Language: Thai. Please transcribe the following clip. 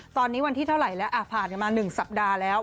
ตอนนี้วันที่เท่าไหร่แล้วผ่านกันมา๑สัปดาห์แล้ว